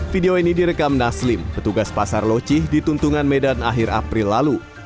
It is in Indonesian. video ini direkam naslim petugas pasar locih di tuntungan medan akhir april lalu